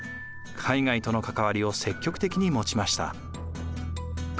海外との関わりを積極的に持ちました。